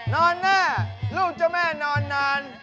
นอนแน่ลูกเจ้าแม่นอนนาน